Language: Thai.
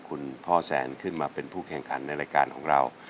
คุณพ่อแสนขึ้นมาเป็นผู้แข่งขันในรายการของเรา